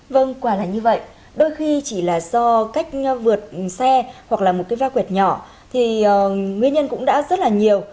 vâng quả là như vậy đôi khi chỉ là do cách vượt xe hoặc là một cái va quẹt nhỏ thì nguyên nhân cũng đã rất là nhiều